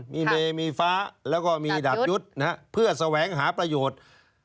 มีเมมีฟ้าแล้วก็มีดาบยุทธ์เพื่อแสวงหาประโยชน์